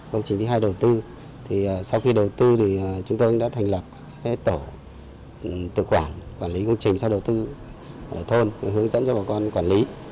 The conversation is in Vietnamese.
công trình thứ hai đầu tư thì sau khi đầu tư thì chúng tôi đã thành lập tổ tự quản quản lý công trình sau đầu tư ở thôn hướng dẫn cho bà con quản lý